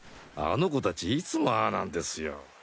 あの子達いつもああなんですよ。